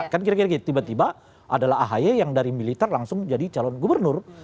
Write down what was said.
kan kira kira gitu tiba tiba adalah ahy yang dari militer langsung jadi calon gubernur